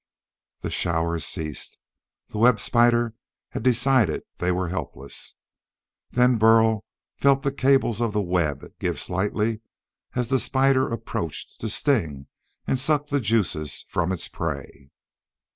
The shower ceased. The web spider had decided they were helpless. Then Burl felt the cables of the web give slightly as the spider approached to sting and suck the juices from its prey.